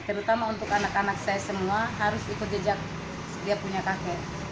terutama untuk anak anak saya semua harus ikut jejak dia punya kakek